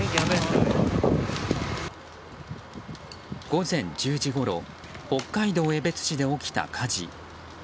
午前１０時ごろ北海道江別市で起きた火事。